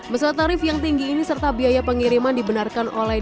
masalah tarif yang tinggi ini serta biaya pengiriman dibenarkan oleh